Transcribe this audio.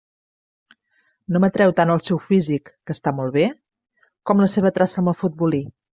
No m'atreu tant el seu físic, que està molt bé, com la seva traça amb el futbolí.